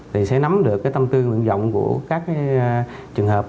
thì sẽ nắm được tâm tư nguyện rộng của các trường hợp